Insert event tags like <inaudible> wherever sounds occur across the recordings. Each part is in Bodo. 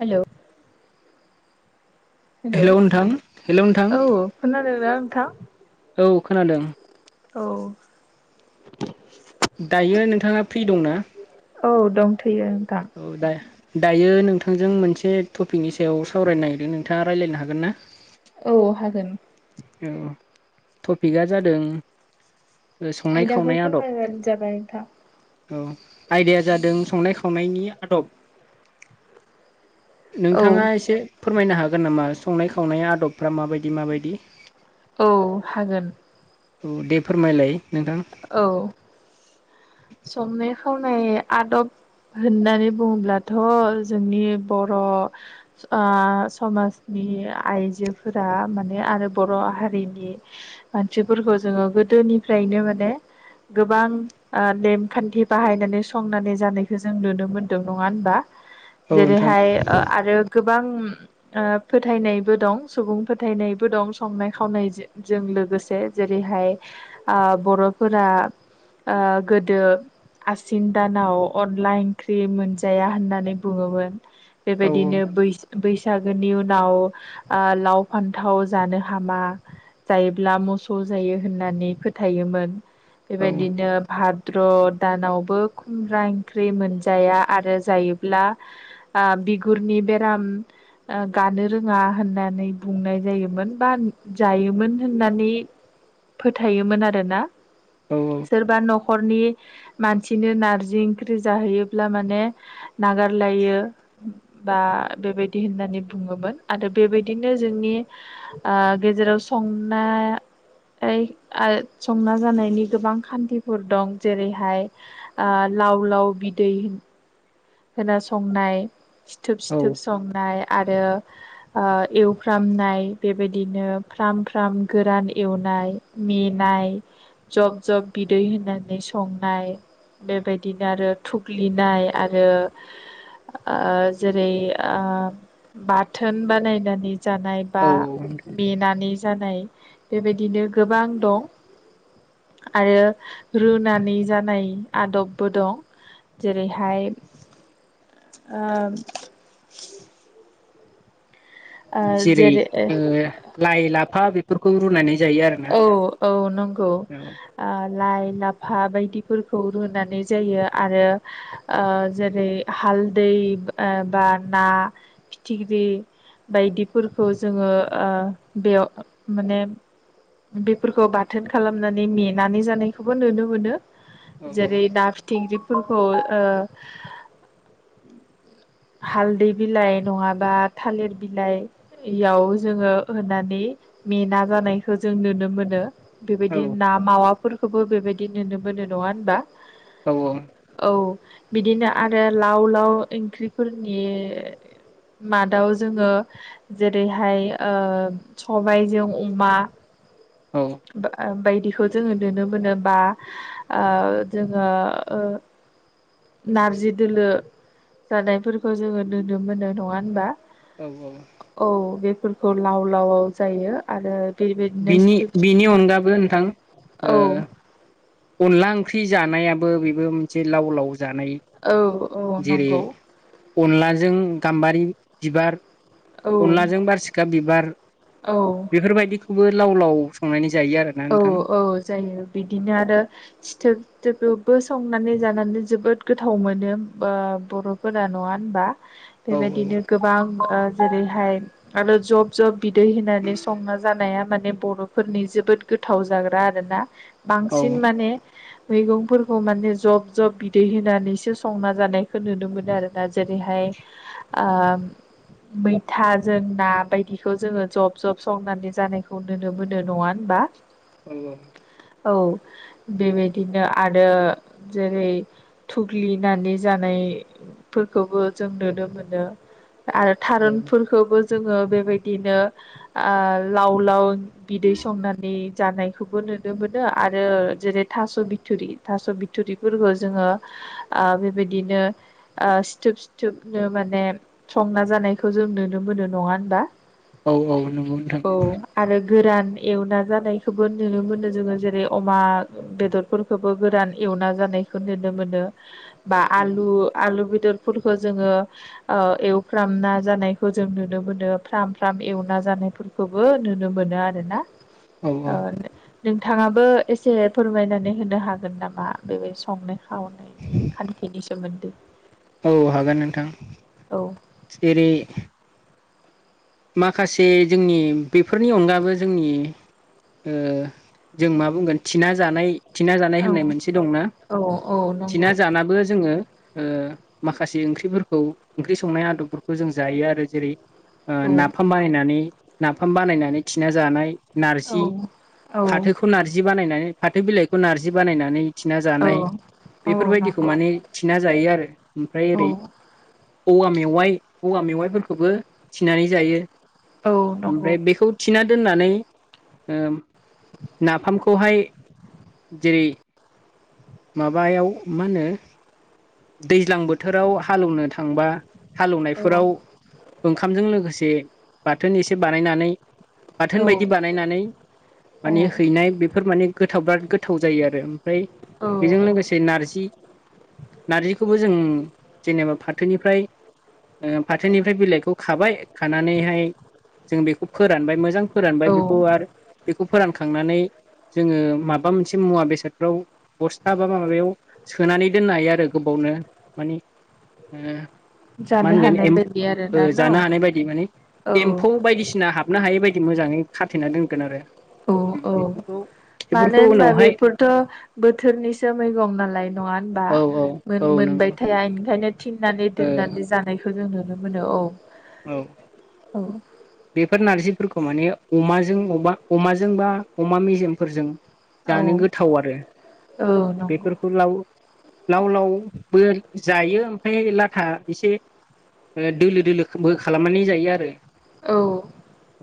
हेलौ हेलौ नोंथां हेलौ नोंथां औ खोनादोंना नोंथां? औ खोनादों औ दायो नोंथांङा फ्रि दंना औ दंथैयो नोंथां औ दा दायो नोंथांजों मोनसे टपिकनि सायाव सावरायनो नागिरदों नोंथांङा रायज्लायनो हागोन ना औ हागोन औ टपिकआ जादों संनाय आयदाखौ खावनाय आदब फोरमाय बानो जाबाय नोंथां औ आयदाया जादों संनाय खावनायनि आदब औ नोंथांङा एसे फोरमायनो हागोन नामा संनाय खावनाय आदबफ्रा माबायदि माबायदि औ हागोन ओ दे फोरमायलाय नोंथां औ संनाय खावनाय आदब होननानै बुंङोब्लाथ' जोंनि ओ बर' समाजनि आइजोफोरा माने आरो बर' हारिनि मानसिफोरखौ जोंङो गोदो गोदोनिफ्रायनो माने गोबां नेमखान्थि बाहायनानै संनानै जानायखौ जों नुनो मोनदों नंङा होनबा औ नोंथां जेरैहाय आरो गोबां फोथायनायबो दं सुबुं फोथायनायबो दं संनाय खावनायजों लोगो लोगोसे जेरैहाय बर'फोरा ओ गोदो आसिन दानाव अनला ओंख्रि मोनजाया होननानै बुंङोमोन औ बेबायदिनो बै बैसागोनि उनाव लाव फान्थाव जानो हामा जायोब्ला मोसौ जायो होननानै फोथायोमोन औ बेबायदिनो सद्र' दानावबो खुमब्रा ओंख्रि मोनजाया आरो जायोब्ला बिगुरनि बेराम गानो रोंङा होननानै बुंनाय जायोमोन बा जायोमोन होननानै फोथायोमोन आरोना सोरबा न'खर न'खरनि मानसिनो नारजि ओंख्रि जाहैयोब्ला माने नागारलायो बा बेबायदि होननानै बुंङोमोन आरो बेबायदिनो जोंनि गेजेराव सनाय संना जानाय नि गोबां खान्थिफोर दं जेरैहाय लाव लाव बिदै होना संनाय सिथोब औ सिथोब संनाय आरो एवफ्रामनाय बेबायदिनो फ्राम फ्राम गोरान एवनाय मेनाय जब जब बिदै होनानै संनाय बेबायदिनो आरो थुग्लिनाय आरो ओ जेरै ओ बाथोन बानायनानै जानाय बा औ मेनानै जानाय बेबायदिनो गोबां दं आरो रुनानै जानाय आदबबो दं जेरैहाय ओह जेरै लाइ लाफा बेफोरखौ रुनानै जायो आरोना औ औ नंगौ औ आ लाइ लाफा बायदिफोरखौ रुनानै जायो आरो जेरै ओह हालदै बा ना फिथिख्रि बायदिफोरखौ जोङो ओह बेयाव माने बेफोरखौ बाथोन खालामनानै मेनानै जानायखौबो नुनो मोनो जेरै ना फिथिख्रिफोरखौ हालदै बिलाइ नङाबा थालिर बिलाइयाव जोङो होनानै मेना जानायखौ जों नुनो मोनो बेबायदि ना मावाफोरखौबो बेबायदि नुनो मोनो नङा होनबा औ औ औ बिदिनो आरो लाव लाव ओंख्रिफोरनि मादाव जोङो जेरैहाय ओ सबायजों अमा औ बायदि बेखौ जोङो नुनो मोनोबा ओ जोङो नारजि दोलो जानायफोरखौ जोङो नुनो मोनो नङा होनबा औ औ बे फोरखौ लाव लावाव जायो आरो बेबायदिनो बिनि बिनि अनगाबो नोंथां औ अनला ओंख्रि जानायाबो बेबो मोनसे लाव लाव जानाय औ औ जेरै नंगौ अनलाजों गाम्बारि बिबार औ अनलाजों बारसिखा बिबार औ बेफोरबायदिखौबो लाव लाव संनायनि औ औ जायो बिदिनो आरो सिथोबथोबबो संनानै जानानै जोबोद गोथाव मोनो बर'फोरानो नङा होनबा औ बेबायदिनो गोबां जेरैहाय आरो जब जब बिदै होनानै संना जानाया माने बर'फोरनि जोबोद गोथाव जाग्रा आरोना औ बांसिन माने मैगंफोरखौ माने जब जब बिदै होनानैसो संना जानायखौ नुनो मोनो आरोना जेरैहाय आह मैथा जों ना बायदिखौ जोङो जब जब संनानै जानायखौ नुनो मोनो नङा होनबा औ औ औ बेबायदिनो आरो जेरै थुग्लिनानै जानायफोरखौबो जों नुनो मोनो आरो औ औ थारुनफोरखौबो जोङो बेबायदिनो ओह लाव लाव बिदै संनानै जानायखौबो नुनो मोनो आरो जेरै थास' बिथुरि थास' बिथुरिफोरखौ जोङो ओह बेबायदिनो सिथोब सिथोबनो माने संना जानायखौ जों नुनो मोनो नङा होनबा औ औ नोंगौ नोंथां औ आरो गोरान एवना जानाय खौबो नुनो मोनो जोङो जेरै अमा बेदरफोरखौबो गोरान एवना जानायखौ नुनो मोनो बा औ आलु आलु बि बेदरफोरखौ जोङो ओ एवफ्राम ना जानायखौ जों नुनो मोनो फ्राम फ्राम एव जानायफोरखौबो नुनो मोनो आरोना औ ओ नोंथाङाबो एसे फोरमायनानै होनो हागोन नामा बे बादि संनो खावनायनि खान्थिनि सोमोन्दै औ हागोन नोंथां औ एरै माखासे जोंनि बेफोरनि अनगाबो जोंनि ओ जों मा बुंगोन थिना जानाय थिना जानाय होननाय औ मोनसे दंना औ थिना नंगौ जानाबो जोङो ओ माखासे ओंख्रिफोरखौ ओंख्रि संनाय आदबफोरखौ जों जायो आरो जेरै ओ औ नाफाम बानायनानै नाफाम बानायनानै थिना जानाय औ नारजि फाथोखौ नारजि बानायनानै फाथो बिलाइखौ नारजि बानायनानै थिना औ जानाय औ बेफोरबायदिखौ नंगौ माने थिना जायो आरो ओमफ्राय ओरै औ औवा मेवाइ औवा मेवाइफोरखौबो थिनानै जायो औ नंगौ ओमफ्राय बेखौ थिना दोननानै ओ नाफामखौहाय जेरै माबायाव मा होनो दैज्लां बोथोराव हाल एवनोनो थांबा औ हालेवनायफोराव ओंखामजों लोगोसे बाथोन एसे बानायनानै बाथोन बायदि बानायनानै औ माने हैनाय बेफोर माने गोथाव बिराद गोथाव गोथाव जायो आरो ओमफ्राय बेजों लोगोसे नारजि नारजिखौबो जों जेनेबा फाथोनिफ्राय ओ फाथोनिफ्राय बिलाइखौ खाबाय खानानैहाय जों बेखौ फोरानबाय मोजां फोरानबाय औ बेखौ आरो बेखौ फोरानखांनानै जोङो माबा मोनसे मुवा बेसादफ्राव बसथा बा माबायाव सोनानै दोननो हायो आरो गोबावनो मानि ओ मा जानो होनगोन हानाय एम बायदि ओ आरोना न' जानो हानाय बायदि माने औ एमफौ बायदिसिना हाबनो हायै बायदि दि मोजाङै खाथेना दोनगोन आरो औ औ बेफोरखौ मानो बेफोरखौ होनबा उनावहाय बेफोरथ' बोथ थोरनिसो मैगं नालाय नङा होनबा औ औ मोन औ नंगौ मोनबाय थाया बेनिखायनो थिननानै ओ दोननानै जानायखौ जों नुनो मोनो औ औ औ बेफोर नारजिफोरखौ माने अमाजों अबबा अमाजों बा अमा मेजेमफोरजों औ जानो गोथाव आरो औ नंगौ बेफोरखौ लाव लाव लावबो जायो ओमफ्राय लाथा एसे दोलो दोलोबो खालामनानै जायो आरो औ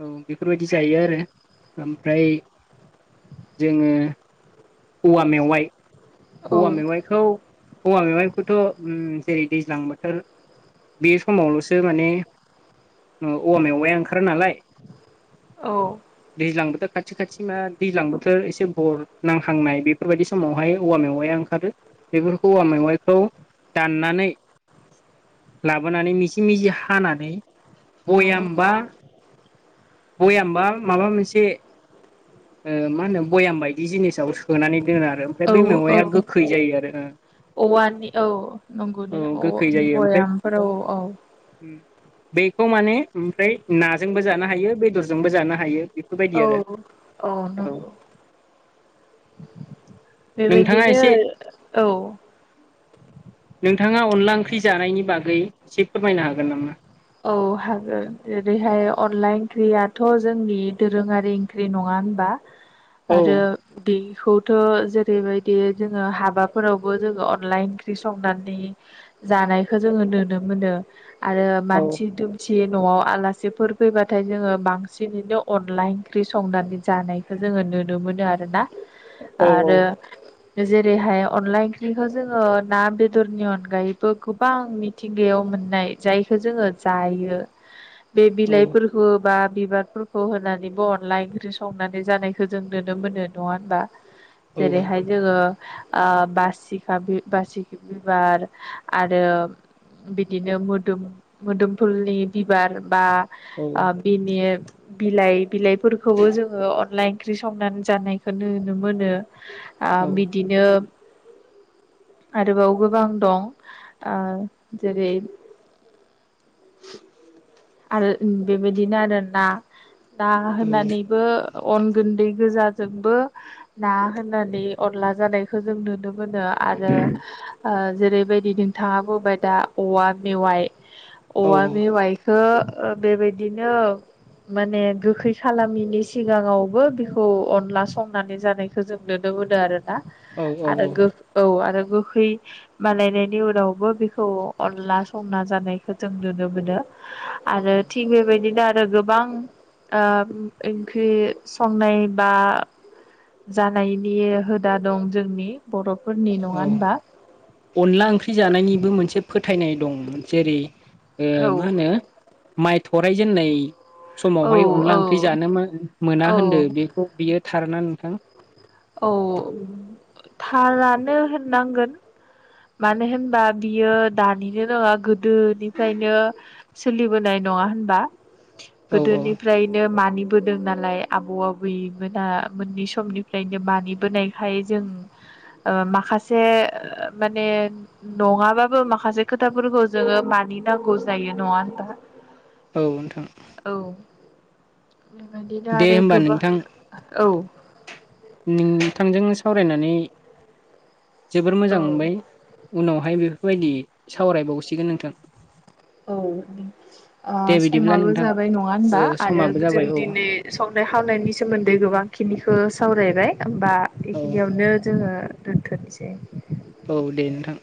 औ बेफोरबायदि जायो आरो ओमफ्राय जोङो औवा मेवाइ औ औवा मेवाइखौ औवा मेवाइखौथ' ओम जेरै दैज्लां बोथोर बे समावल'सो माने औवा मेवयाइया ओंखारो नालाय औ दैज्लां बोथोर खाथि खाथि मा दैज्लां बोथोर एसे बर नांहांनाय बेफोरबायदि समावहाय औवा मेवाइआ ओंखारो बेफोरखौ औवा मेवाइखौ दाननानै लाबोनानै मिजि मिजि हानानै बयाम बा बयाम बा माबा मोनसे ओ मा होनो बयामबाय दि जिनिसाव सोनानै दोनो आरो ओमफ्राय औ बै औ मेवाइया गोखै जायो आरो औ औवानि नंगौ ओ दे औ गोखै जायो ओमफ्राय बयामफोराव औ औ बेखौ माने ओमफ्राय नाजोंबो जानो हायो बेदरजोंबो जानो हायो बेफोरबायदि औ आरो औ नंगौ नोंथाङा बेबायदिनो एसे औ नोंथाङा अनला ओंख्रि जानायनि बागै एसे फोरमायनो हागोन नामा औ हागोन ओरैहाय अनला ओंख्रियाथ' जोंनि दोरोङारि ओंख्रि नङा होनबा औ आरो दै खौथ' जेरैबायदि जोङो हाबाफोरावबो जोङो अनला ओंख्रि संनानै जानायखौ जोङो नुनो मोनो आरो औ मानसि दुमसि न'आव आलासिफोर फैबाथाय जोङो बांसिनैनो अनला ओंख्रि संनानै जानायखौ जोङो नुनो मोनो आरोना औ आरो जेरैहाय अनला ओंख्रिखौ जोङो ना बेदरनि अनगायैबो गोबां मिथिंगायाव मोननाय जायखौ जोङो जायो बे औ बिलाइफोरखौ एबा बिबारफोरखौ होनानैबो अनला ओंख्रि संनानै जानायखौ जों नुनो मोनो नङा होनबा औ जेरैहाय जोङो बासिखा बासि बिबार आरो बिदिनो मोदोम मोदोमफुलनि बिबार बा औ बिनि बिलाइ बिलाइफोरखौबो जोङो अनला ओंख्रि संनानै जानायखौ नुनो मोनो औ बिदिनो <inaudible> आरोबाव गोबां दं जेरै आरो बेबायदिनो आरो ना ना होनानैबो अन गुन्दै गोजाजोंबो ना होनानै अरला जानायखौ जों नुनो मोनो मोनो आरो जेरैबायदि नोंथाङा बुंबाय दा औवा मेवाइ औवा मेवाइखौ बेबायदिनो माने गोखै खालामैनि सिगाङावबो बेखौ अनला संनानै जानायखौ जों नुदों आरोना औ औ आरो औ गोखै मालायनायनि उनावबो बेखौ अनला संना जानायखौ जों नुनो मोनो आरो थिग बेबायदिनो आरो आरो गोबां ओंख्रि संनाय बा जानायनि हुदा दं जोंनि बर' औ अनला ओंख्रि जानायनिबो मोनसे फोथायनाय दं जेरै औ मा होनो माइ थरायजेननाय औ समावहाय औ अनला ओंख्रि जानो मोना औ होनदों बेखौ बियो थार ना नोंथां औ थारानो होननांगोन मानो होनबा बियो दानिनो नङा गोदोनिफ्रायनो सोलिबोनाय नङा होनबा औ औ गोदोनिफ्रायनो मानि बोदों नालाय आबौ आबैमोना मोननै समनि मानि बोनायखाय जों माखासे माने नङाबाबो माखासे खोथाफोरखौ जोङो म नि नांगौ जायो नङा होनबा औ नोंथां औ बेबायदिनो दे आरो होमबा गोबां नोंथां औ नोंथांजों सावरायनानै जोबोर औ मोजां मोनबाय उनाव उनावहाय बेफोरबायदि सावरायबावसिगोन नोंथां औ दे बिदिब्ला समाबो नोंथां जाबाय नङा होनबा ओ आरो समाबो जों जाबाय औ दिनै सम हावनायनि सोमोन्दै गोबां खिनिखौ सावरायबाय होनबा औ बेखिनियावनो जोङो दोन्थ'नोसै औ दे नोंथां